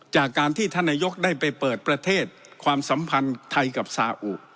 จากการที่ท่านนายกได้ไปเปิดประเทศความสัมพันธ์ไทยกับซาอุ